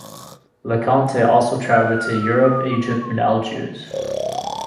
LeConte also traveled to Europe, Egypt and Algiers.